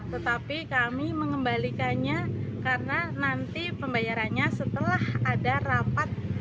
tetapi kami mengembalikannya karena nanti pembayarannya setelah ada rapat